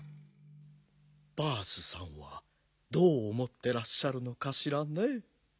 バースさんはどうおもってらっしゃるのかしらね。